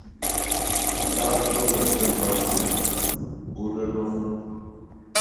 Agụụ na-ete mmadụ ure n'ọha